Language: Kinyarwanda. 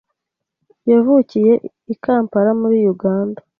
Yavukiye i Kampala muri Uganda